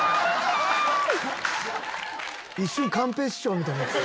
一瞬寛平師匠みたいになってた。